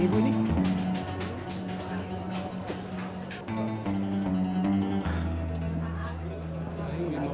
belum datang ibu ini